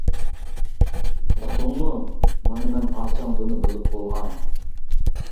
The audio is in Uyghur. ئۇقتۇڭمۇ، مانا مەن ئاچاڭ بۇنى بىلىپ بولغان.